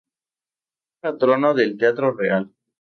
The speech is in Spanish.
Es patrono del Teatro Real.